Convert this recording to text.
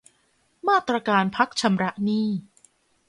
มาตรการพักชำระหนี้